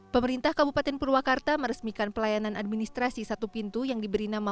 pemerintah kabupaten purwakarta meresmikan pelayanan administrasi satu pintu yang diberi nama